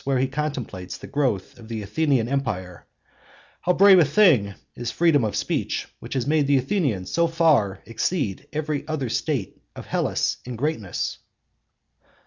78) where he contemplates the growth of the Athenian empire—'How brave a thing is freedom of speech, which has made the Athenians so far exceed every other state of Hellas in greatness!